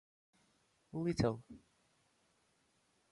Little.